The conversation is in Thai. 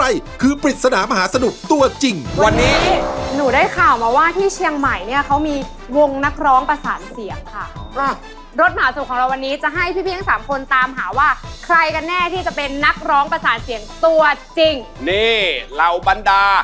รถหมาสุขของเราวันนี้จะให้พี่ทั้ง๓คนตามหาว่า